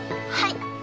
はい！